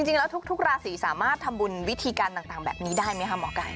จริงแล้วทุกราศีสามารถทำบุญวิธีการต่างแบบนี้ได้ไหมคะหมอไก่